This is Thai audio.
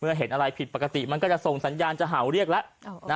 เห็นอะไรผิดปกติมันก็จะส่งสัญญาณจะเห่าเรียกแล้ว